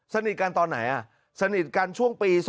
สนิทกันตอนไหนสนิทกันช่วงปี๒๕